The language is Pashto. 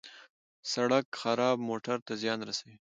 سړک خراب موټر ته زیان رسوي.